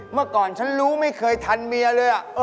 เมื่อก่อนฉันรู้ไม่เคยทันเมียเลย